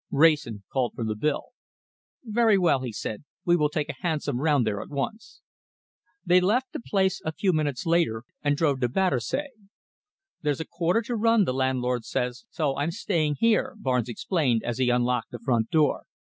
Wrayson called for the bill. "Very well," he said, "we will take a hansom round there at once." They left the place a few minutes later, and drove to Battersea. "There's a quarter to run, the landlord says, so I'm staying here," Barnes explained, as he unlocked the front door.